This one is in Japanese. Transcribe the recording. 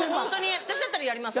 私だったらやります。